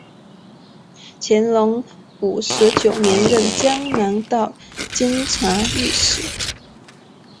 乾隆五十九年任江南道监察御史。